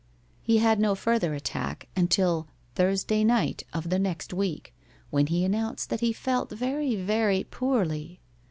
He had no further attack until Thursday night of the next week, when he announced that he felt very, very poorly.